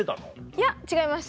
いや違います